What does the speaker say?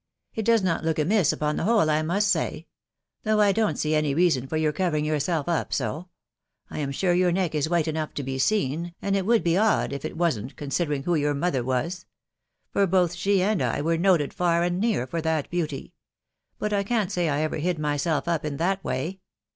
It does not look amiss upon the whole, 1 must say ; though I don't see any Teason for your covering yourself up so \ 1 «sa. wu» '^sqk. neck is white enough to be seen, and \t ^w wft& \»*&& S& ^fc m 4 16ft wasn't, considering who your mother was ; lor both she usLfo were noted, far and near, for that beauty ; bat I can* t anKei ever hid myself up in that way.